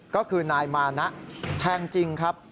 ก็คือนายมานะแทงจริงครับ